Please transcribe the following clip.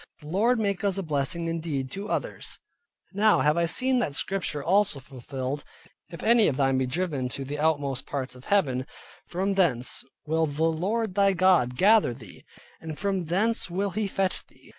The Lord make us a blessing indeed, each to others. Now have I seen that Scripture also fulfilled, "If any of thine be driven out to the outmost parts of heaven, from thence will the Lord thy God gather thee, and from thence will he fetch thee.